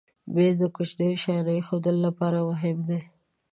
مېز د کوچنیو شیانو ایښودلو لپاره مهم دی.